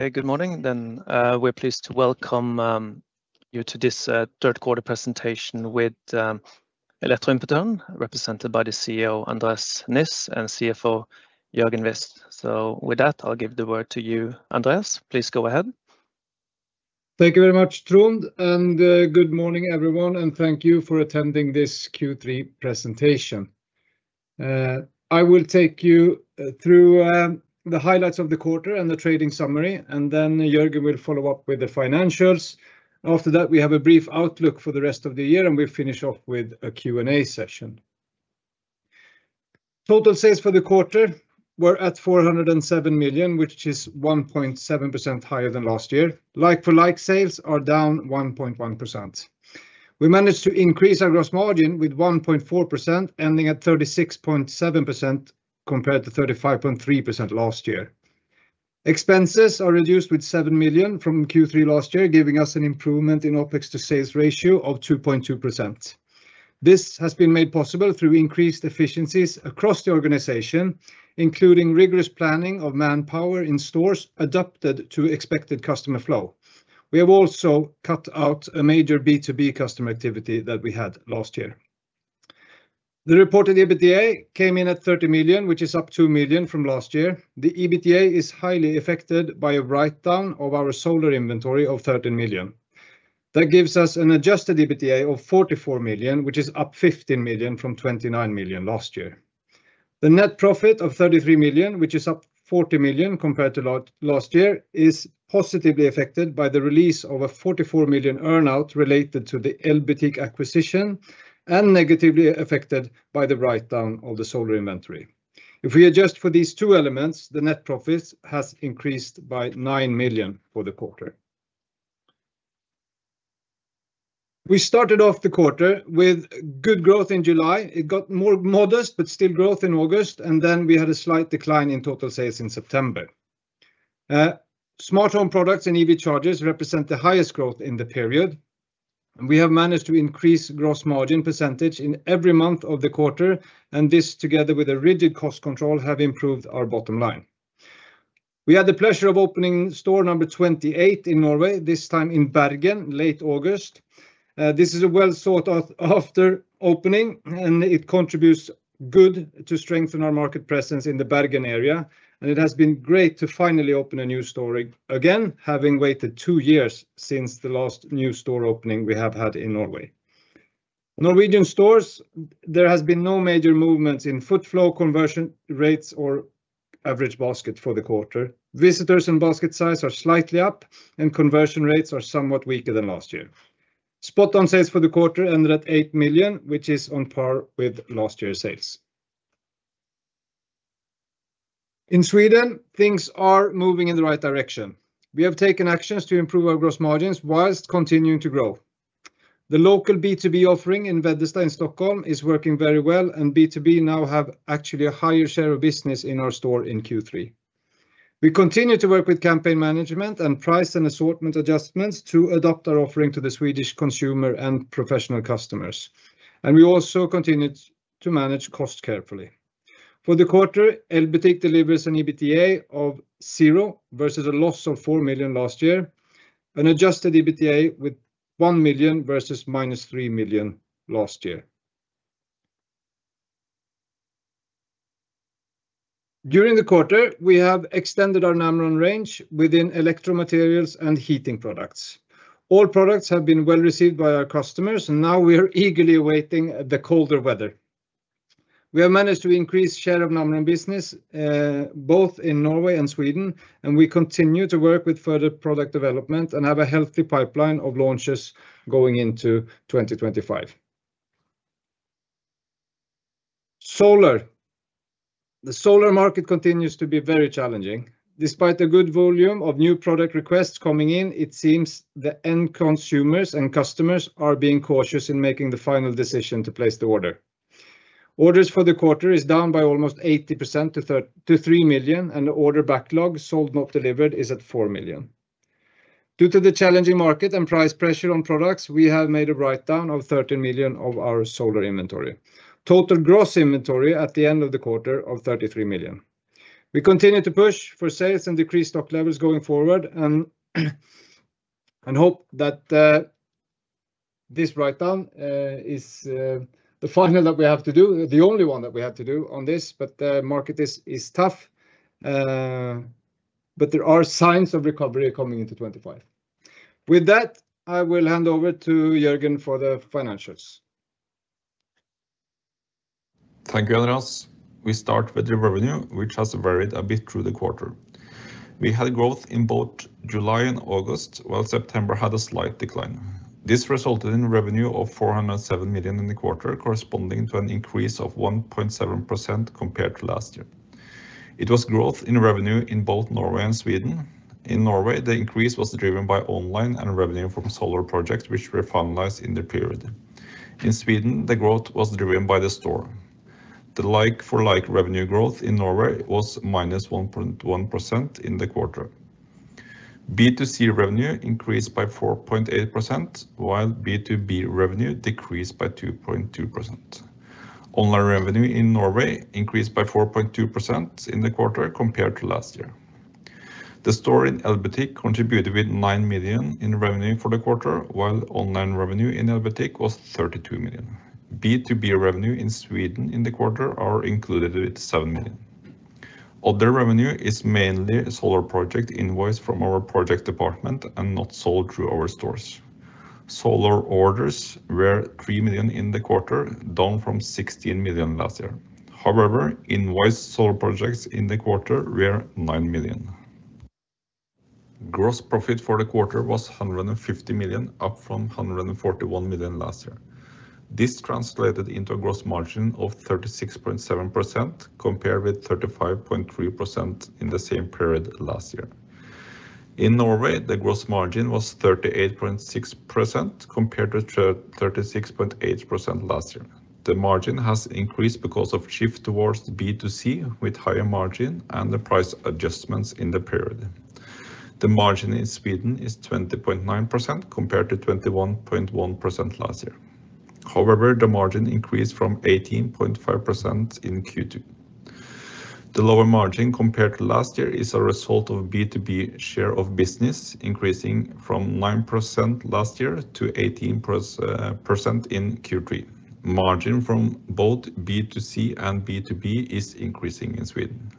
Hey, good morning then. We're pleased to welcome you to this third quarter presentation with Elektroimportøren, represented by the CEO Andreas Niss and CFO Jørgen Wist. So with that, I'll give the word to you, Andreas. Please go ahead. Thank you very much, Trond, and good morning everyone, and thank you for attending this Q3 Presentation. I will take you through the highlights of the quarter and the trading summary, and then Jørgen will follow up with the financials. After that, we have a brief outlook for the rest of the year, and we'll finish off with a Q&A session. Total sales for the quarter were 407 million, which is 1.7% higher than last year. Like-for-like sales are down 1.1%. We managed to increase our gross margin with 1.4%, ending at 36.7% compared to 35.3% last year. Expenses are reduced with 7 million from Q3 last year, giving us an improvement in OPEX to sales ratio of 2.2%. This has been made possible through increased efficiencies across the organization, including rigorous planning of manpower in stores adapted to expected customer flow. We have also cut out a major B2B customer activity that we had last year. The reported EBITDA came in at 30 million, which is up 2 million from last year. The EBITDA is highly affected by a write-down of our solar inventory of 13 million. That gives us an adjusted EBITDA of 44 million, which is up 15 million from 29 million last year. The net profit of 33 million, which is up 40 million compared to last year, is positively affected by the release of a 44 million earn-out related to the Elbutik acquisition and negatively affected by the write-down of the solar inventory. If we adjust for these two elements, the net profit has increased by 9 million for the quarter. We started off the quarter with good growth in July. It got more modest, but still growth in August, and then we had a slight decline in total sales in September. Smart home products and EV chargers represent the highest growth in the period, and we have managed to increase gross margin percentage in every month of the quarter, and this, together with rigid cost control, has improved our bottom line. We had the pleasure of opening store number 28 in Norway, this time in Bergen late August. This is a well-thought-out opening, and it contributes good to strengthen our market presence in the Bergen area, and it has been great to finally open a new store again, having waited two years since the last new store opening we have had in Norway. Norwegian stores, there has been no major movements in footfall, conversion rates, or average basket for the quarter. Visitors and basket size are slightly up, and conversion rates are somewhat weaker than last year. SpotOn sales for the quarter ended at 8 million, which is on par with last year's sales. In Sweden, things are moving in the right direction. We have taken actions to improve our gross margins while continuing to grow. The local B2B offering in Veddesta in Stockholm is working very well, and B2B now has actually a higher share of business in our store in Q3. We continue to work with campaign management and price and assortment adjustments to adapt our offering to the Swedish consumer and professional customers, and we also continue to manage costs carefully. For the quarter, Elbutik delivers an EBITDA of zero versus a loss of 4 million last year, an adjusted EBITDA with 1 million versus minus 3 million last year. During the quarter, we have extended our Namron range within electromaterials and heating products. All products have been well received by our customers, and now we are eagerly awaiting the colder weather. We have managed to increase the share of Namron business both in Norway and Sweden, and we continue to work with further product development and have a healthy pipeline of launches going into 2025. Solar. The solar market continues to be very challenging. Despite the good volume of new product requests coming in, it seems the end consumers and customers are being cautious in making the final decision to place the order. Orders for the quarter are down by almost 80% to 3 million, and the order backlog, sold not delivered, is at 4 million. Due to the challenging market and price pressure on products, we have made a write-down of 13 million of our solar inventory. Total gross inventory at the end of the quarter is 33 million. We continue to push for sales and decrease stock levels going forward and hope that this write-down is the final that we have to do, the only one that we have to do on this, but the market is tough, but there are signs of recovery coming into 2025. With that, I will hand over to Jørgen for the financials. Thank you, Andreas. We start with the revenue, which has varied a bit through the quarter. We had growth in both July and August, while September had a slight decline. This resulted in revenue of 407 million in the quarter, corresponding to an increase of 1.7% compared to last year. It was growth in revenue in both Norway and Sweden. In Norway, the increase was driven by online and revenue from solar projects, which were finalized in the period. In Sweden, the growth was driven by the store. The like-for-like revenue growth in Norway was minus 1.1% in the quarter. B2C revenue increased by 4.8%, while B2B revenue decreased by 2.2%. Online revenue in Norway increased by 4.2% in the quarter compared to last year. The store in Elbutik contributed with 9 million in revenue for the quarter, while online revenue in Elbutik was 32 million. B2B revenue in Sweden in the quarter is 7 million. Other revenue is mainly solar project invoices from our project department and not sold through our stores. Solar orders were 3 million in the quarter, down from 16 million last year. However, invoiced solar projects in the quarter were 9 million. Gross profit for the quarter was 150 million, up from 141 million last year. This translated into a gross margin of 36.7% compared with 35.3% in the same period last year. In Norway, the gross margin was 38.6% compared to 36.8% last year. The margin has increased because of the shift towards B2C with higher margin and the price adjustments in the period. The margin in Sweden is 20.9% compared to 21.1% last year. However, the margin increased from 18.5% in Q2. The lower margin compared to last year is a result of B2B share of business increasing from 9% last year to 18% in Q3. Margin from both B2C and B2B is increasing in Sweden.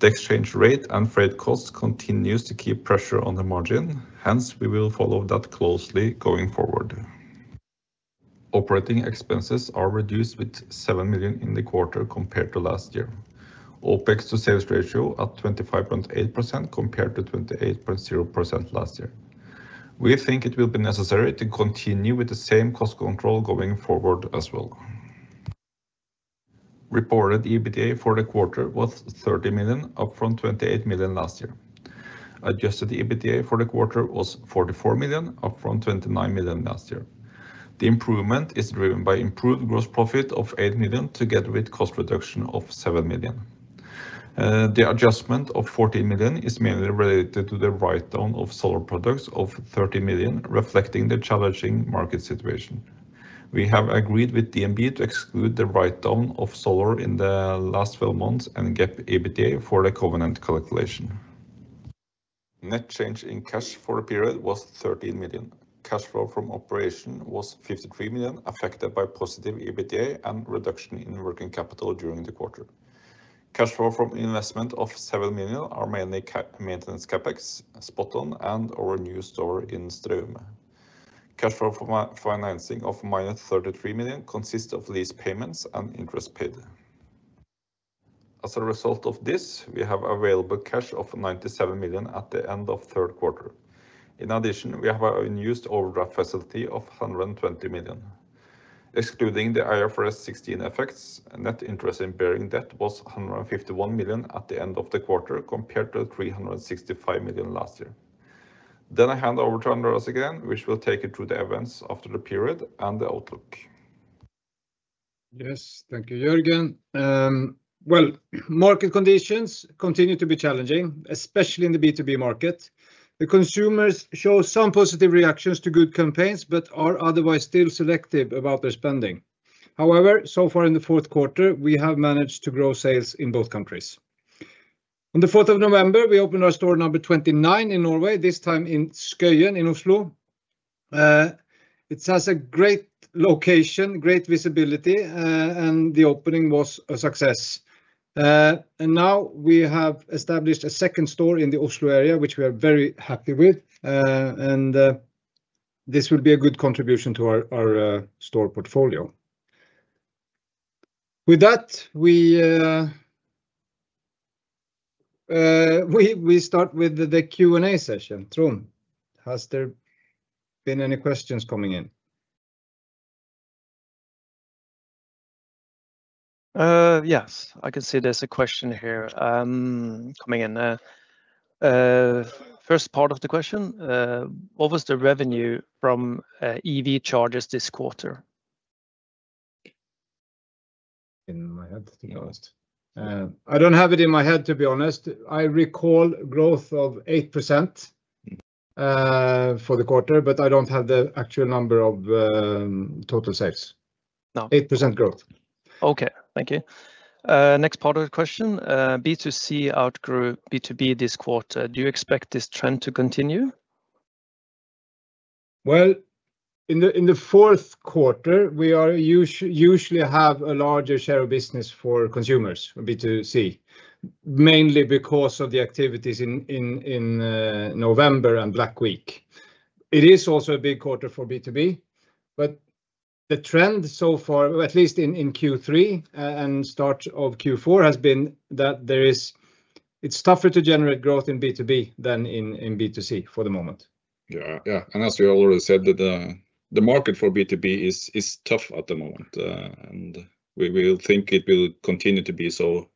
The exchange rate and freight costs continue to keep pressure on the margin. Hence, we will follow that closely going forward. Operating expenses are reduced with 7 million in the quarter compared to last year. OPEX to sales ratio is at 25.8% compared to 28.0% last year. We think it will be necessary to continue with the same cost control going forward as well. Reported EBITDA for the quarter was 30 million, up from 28 million last year. Adjusted EBITDA for the quarter was 44 million, up from 29 million last year. The improvement is driven by improved gross profit of 8 million together with cost reduction of 7 million. The adjustment of 40 million is mainly related to the write-down of solar products of 30 million, reflecting the challenging market situation. We have agreed with DNB to exclude the write-down of solar in the last 12 months and get EBITDA for the covenant calculation. Net change in cash for the period was 13 million. Cash flow from operation was 53 million, affected by positive EBITDA and reduction in working capital during the quarter. Cash flow from investment of 7 million are mainly maintenance CapEx, SpotOn, and our new store in Strømmen. Cash flow from financing of minus 33 million consists of lease payments and interest paid. As a result of this, we have available cash of 97 million at the end of third quarter. In addition, we have a unused overdraft facility of 120 million. Excluding the IFRS 16 effects, net interest-bearing debt was 151 million at the end of the quarter compared to 365 million last year. Then I hand over to Andreas again, which will take you through the events after the period and the outlook. Yes, thank you, Jørgen. Well, market conditions continue to be challenging, especially in the B2B market. The consumers show some positive reactions to good campaigns but are otherwise still selective about their spending. However, so far in the fourth quarter, we have managed to grow sales in both countries. On the 4th of November, we opened our store number 29 in Norway, this time in Skøyen in Oslo. It has a great location, great visibility, and the opening was a success. And now we have established a second store in the Oslo area, which we are very happy with, and this will be a good contribution to our store portfolio. With that, we start with the Q&A session. Trond, has there been any questions coming in? Yes, I can see there's a question here coming in. First part of the question: what was the revenue from EV chargers this quarter? In my head, to be honest. I don't have it in my head, to be honest. I recall growth of 8% for the quarter, but I don't have the actual number of total sales. No. 8% growth. Okay, thank you. Next part of the question: B2C outgrew B2B this quarter. Do you expect this trend to continue? In the fourth quarter, we usually have a larger share of business for consumers, B2C, mainly because of the activities in November and Black Week. It is also a big quarter for B2B, but the trend so far, at least in Q3 and start of Q4, has been that it's tougher to generate growth in B2B than in B2C for the moment. Yeah, yeah, and as we already said, the market for B2B is tough at the moment, and we will think it will continue to be so,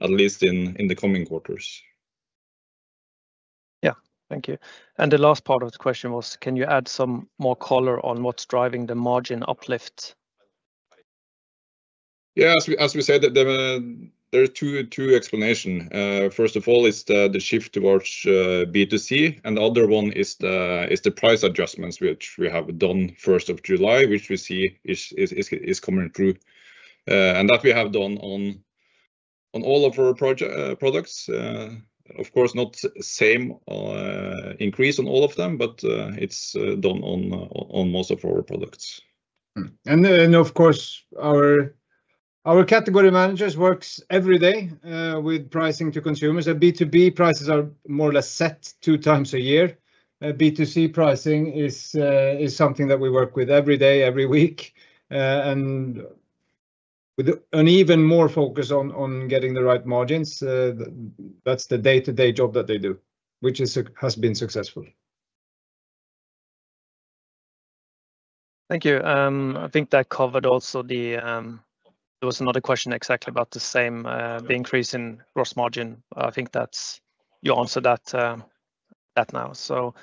at least in the coming quarters. Yeah, thank you. And the last part of the question was: can you add some more color on what's driving the margin uplift? Yeah, as we said, there are two explanations. First of all, it's the shift towards B2C, and the other one is the price adjustments which we have done first of July, which we see is coming through, and that we have done on all of our products. Of course, not the same increase on all of them, but it's done on most of our products. Of course, our category managers work every day with pricing to consumers. B2B prices are more or less set two times a year. B2C pricing is something that we work with every day, every week, and with an even more focus on getting the right margins. That's the day-to-day job that they do, which has been successful. Thank you. I think that covered also the…there was another question exactly about the same, the increase in gross margin. I think you answered that now, so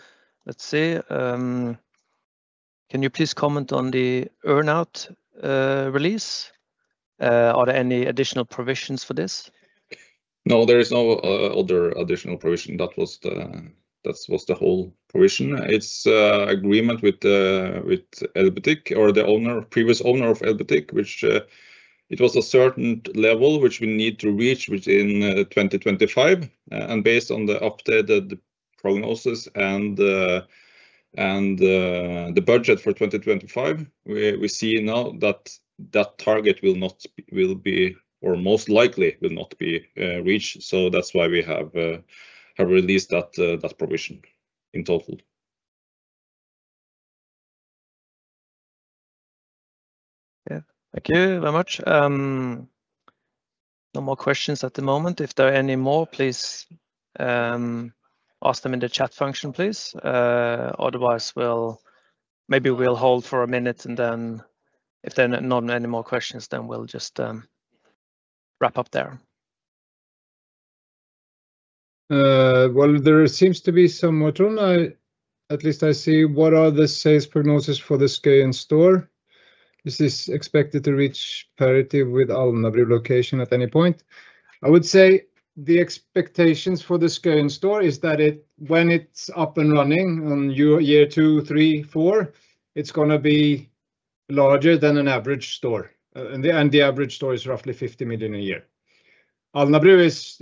let's see. Can you please comment on the earn-out release? Are there any additional provisions for this? No, there is no other additional provision. That was the whole provision. It's an agreement with Elbutik or the previous owner of Elbutik, which it was a certain level which we need to reach within 2025. And based on the updated prognosis and the budget for 2025, we see now that that target will not be, or most likely will not be reached. So that's why we have released that provision in total. Yeah, thank you very much. No more questions at the moment. If there are any more, please ask them in the chat function, please. Otherwise, maybe we'll hold for a minute, and then if there are not any more questions, then we'll just wrap up there. There seems to be some more, at least I see, what are the sales prognosis for the Skøyen store? Is this expected to reach parity with Alnabru location at any point? I would say the expectations for the Skøyen store is that when it's up and running on year two, three, four, it's going to be larger than an average store. The average store is roughly 50 million a year. Alnabru is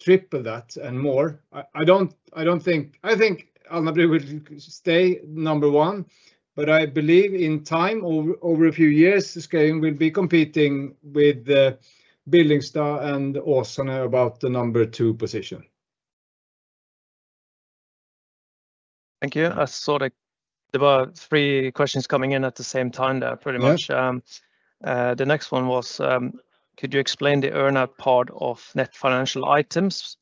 triple that and more. I don't think Alnabru will stay number one, but I believe in time, over a few years, Skøyen will be competing with Billingstad and Åsane about the number two position. Thank you. I saw there were three questions coming in at the same time there, pretty much. The next one was: could you explain the earn-out part of net financial items?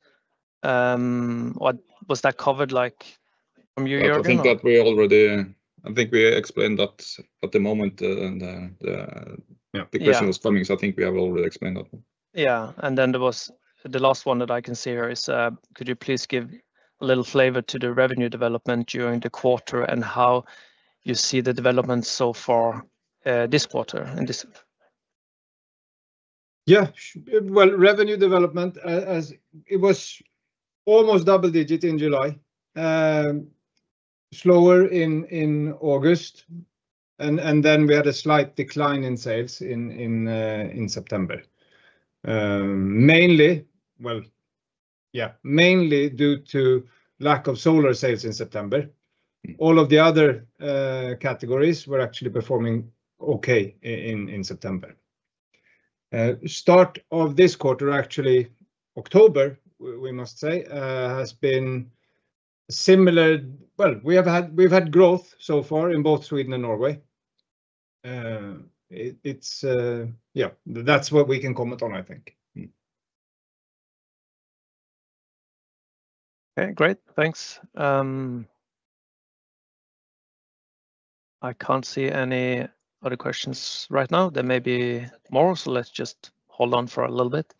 Was that covered from you, Jørgen? I think that we already—I think we explained that at the moment, and the question was coming, so I think we have already explained that one. Yeah. And then the last one that I can see here is: could you please give a little flavor to the revenue development during the quarter and how you see the development so far this quarter? Yeah. Well, revenue development, it was almost double-digit in July, slower in August, and then we had a slight decline in sales in September. Mainly, well, yeah, mainly due to lack of solar sales in September. All of the other categories were actually performing okay in September. Start of this quarter, actually October, we must say, has been similar. Well, we've had growth so far in both Sweden and Norway. Yeah, that's what we can comment on, I think. Okay, great. Thanks. I can't see any other questions right now. There may be more, so let's just hold on for a little bit.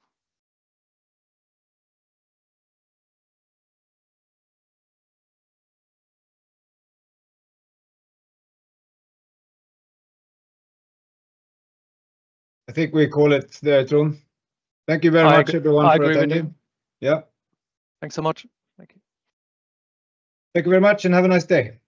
I think we call it there, Trond. Thank you very much, everyone, for joining me. Thanks so much. Thank you. Thank you very much, and have a nice day.